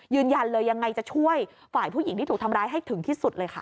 ยืนยันเลยยังไงจะช่วยฝ่ายผู้หญิงที่ถูกทำร้ายให้ถึงที่สุดเลยค่ะ